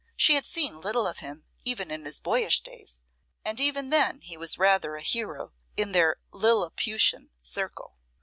She had seen little of him even in his boyish days, and even then he was rather a hero in their Lilliputian circle.